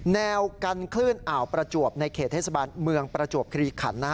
แนวกันคลื่นอ่าวประจวบในเขตเทศบาลเมืองประจวบคลีขัน